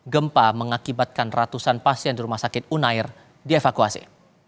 gempa mengakibatkan ratusan pasien di rumah sakit unair dievakuasi